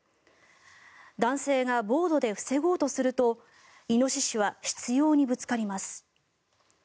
男性がボードで防ごうとするとイノシシは執ようにぶつかります。